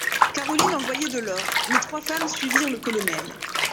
Caroline envoyait de l'or ! Les trois femmes suivirent le colonel.